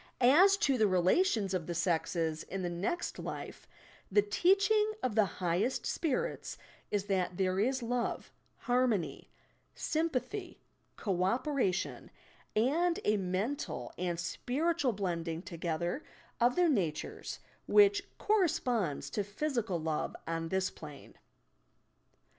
As to the relations of the sexes in the next life, the teaching of the highest spirits is that there is love, harmony, sympathy, co operation and a mental and spiritual blending together of their natures which cor responds to physical love on this plane.